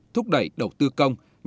bốn thúc đẩy đầu tư công